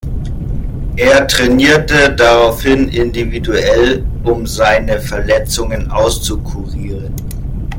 Er trainierte daraufhin individuell, um seine Verletzungen auszukurieren.